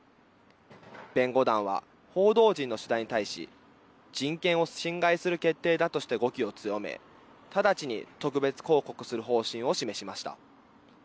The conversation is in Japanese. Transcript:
弁護団は報道陣の取材に対し人権を侵害する決定だとして語気を強め直ちに特別抗告する方針を示しました。